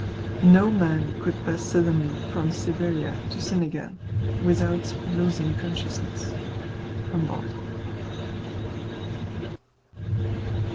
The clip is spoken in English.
"No man could pass suddenly from Siberia into Senegal without losing consciousness." HUMBOLDT.